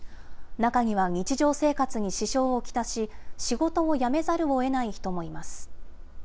中には日常生活に支障を来し、仕事を辞めざるをえない人もいます。